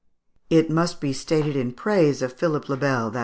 It must be stated in praise of Philip le Bel (Fig.